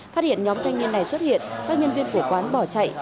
phát hiện nhóm thanh niên này xuất hiện các nhân viên của quán bỏ chạy